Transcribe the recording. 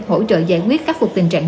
hỗ trợ giải quyết các cuộc tình trạng